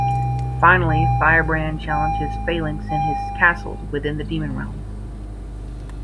Finally, Firebrand challenges Phalanx in his castle within the Demon Realm.